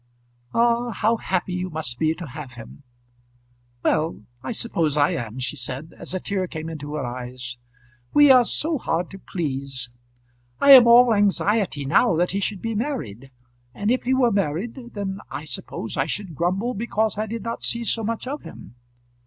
"Ah, how happy you must be to have him!" "Well, I suppose I am," she said, as a tear came into her eyes. "We are so hard to please. I am all anxiety now that he should be married; and if he were married, then I suppose I should grumble because I did not see so much of him.